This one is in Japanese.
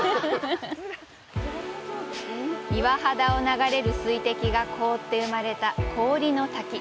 岩肌を流れる水滴が凍って生まれた氷の滝。